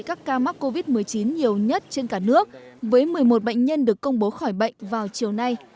các ca mắc covid một mươi chín nhiều nhất trên cả nước với một mươi một bệnh nhân được công bố khỏi bệnh vào chiều nay